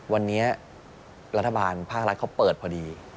วันนี้รัฐบาลภาครัฐเขาเปิดพอดี